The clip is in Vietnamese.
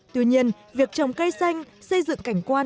tuy nhiên việc trồng cây xanh xây dựng cảnh quan